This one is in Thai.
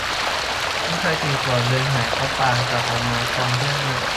ลูกชาย สี่ ขวบ เดินหายเข้าป่า กลับออกมาพร้อมเพื่อนใหม่